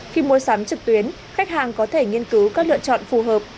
khi mua sắm trực tuyến khách hàng có thể nghiên cứu các lựa chọn phù hợp